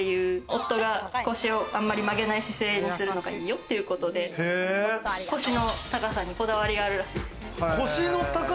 夫が腰をあまり曲げない姿勢にするのがいいよっていうことで、腰の高さにこだわりがあるらしいです。